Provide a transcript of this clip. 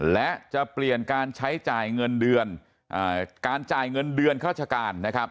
และจะเปลี่ยนการใช้จ่ายเงินเดือนการจ่ายเงินเดือนข้าราชการนะครับ